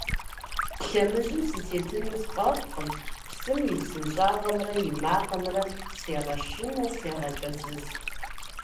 Лъэмыжым сытетыну сфӏэфӏкъым, псым и псынщӏагъымрэ и макъымрэ сегъэшынэ, сегъэкӏэзыз.